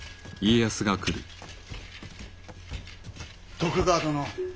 徳川殿。